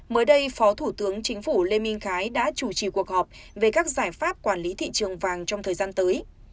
mới đây phó thủ tướng chính phủ lê minh khái đã chủ trì cuộc họp về các giải pháp quản lý thị trường vàng trong thời gian tới